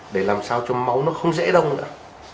để làm sao cho máu nó không dễ đông nữa